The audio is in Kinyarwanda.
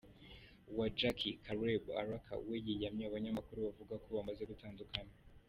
wa Jackie, Caleb Alaka we yiyamye abanyamakuru bavuga ko bamaze gutandukana.